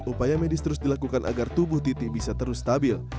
upaya medis terus dilakukan agar tubuh titi bisa terus stabil